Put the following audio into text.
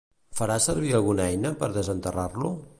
Farà servir alguna eina per desenterrar-lo?